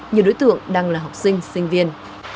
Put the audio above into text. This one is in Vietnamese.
nhiều đối tượng đang là học sinh sinh viên